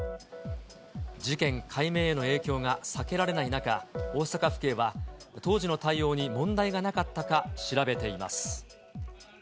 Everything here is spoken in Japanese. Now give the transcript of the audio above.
事件解明への影響が避けられない中、大阪府警は、当時の対応に問題がなかったか、調べています。